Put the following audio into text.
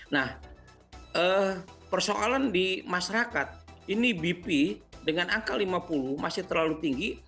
nah persoalan di masyarakat ini bp dengan angka lima puluh masih terlalu tinggi